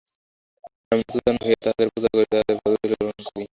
আমি নতজানু হইয়া তাঁহাদের পূজা করি, তাঁহাদের পদধূলি গ্রহণ করি।